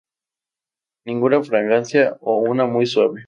Ninguna fragancia o una muy suave.